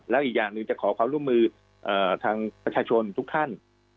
แล้วอีกอย่างหนึ่งจะขอความร่วมมือทางประชาชนทุกท่าน